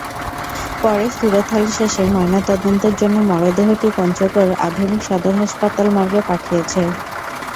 পরে সুরতহাল শেষে ময়নাতদন্তের জন্য মরদেহটি পঞ্চগড় আধুনিক সদর হাসপাতাল মর্গে পাঠিয়েছে।